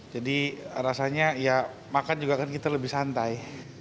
jadi rasanya ya makan juga kan kita lebih santai